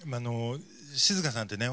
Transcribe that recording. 静香さんってね